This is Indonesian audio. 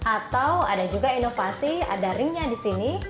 atau ada juga inovasi ada ringnya di sini